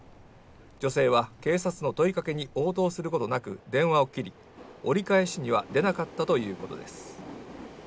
女性は警察の問い掛けに応答することなく、電話を切り、折り返しには出なかったということです。